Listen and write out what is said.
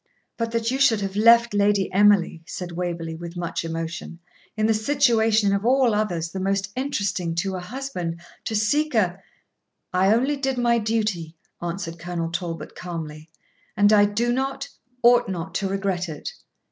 'But that you should have left Lady Emily,' said Waverley, with much emotion, 'in the situation of all others the most interesting to a husband, to seek a ' 'I only did my duty,' answered Colonel Talbot, calmly, 'and I do not, ought not, to regret it.